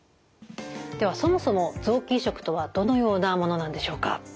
ではそもそも臓器移植とはどのようなものなんでしょうか。